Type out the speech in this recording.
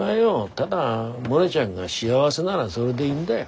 ただモネちゃんが幸せならそれでいいんだよ。